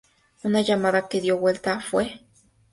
Una llamada que dio la vuelta fue: "Es el jefe de a bordo?